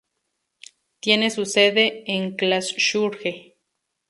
Tiene su sede en Karlsruhe.